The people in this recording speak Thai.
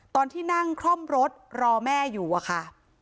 ตอนที่นั่งคล่อมรถรอแม่อยู่อะค่ะ